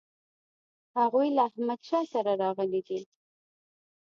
هغوی له احمدشاه سره راغلي دي.